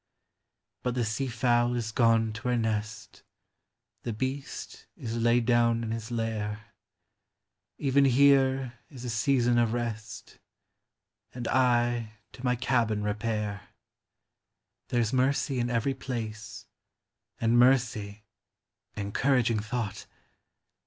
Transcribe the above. But the sea fowl is gone to her nest, The beast is laid down in his lair; Even here is a season of rest, And I to my cabin repair. There 's mercy in every place, And mercy — encouraging thought